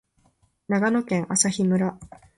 長野県朝日村